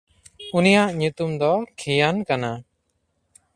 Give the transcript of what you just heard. ᱩᱱᱤᱭᱟᱜ ᱧᱩᱛᱩᱢ ᱫᱚ ᱠᱷᱤᱭᱟᱱ ᱠᱟᱱᱟ᱾